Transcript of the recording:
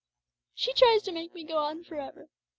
She tries to make me go on for ever.